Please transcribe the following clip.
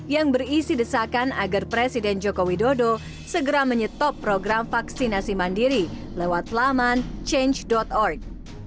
yang berisi desakan agar presiden joko widodo segera menyetop program vaksinasi mandiri lewat laman change org